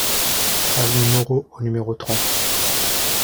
Avenue Moreau au numéro trente